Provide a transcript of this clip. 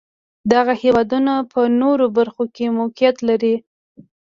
دغه هېوادونه په نورو برخو کې موقعیت لري.